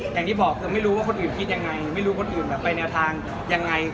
อย่างที่บอกคือไม่รู้ว่าคนอื่นคิดยังไงไม่รู้คนอื่นแบบไปแนวทางยังไง